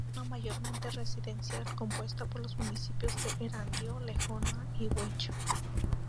Zona mayormente residencial, compuesta por los municipios de Erandio, Lejona y Guecho.